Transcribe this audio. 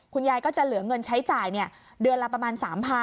คุณยายก็จะเหลือเงินใช้จ่ายเดือนละประมาณ๓๐๐๐